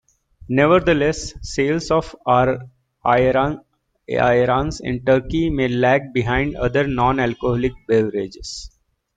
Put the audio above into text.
Nevertheless, sales of ayran in Turkey may lag behind other non-alcoholic beverages.